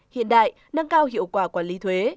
hiện đại nâng cao hiệu quả quản lý thuế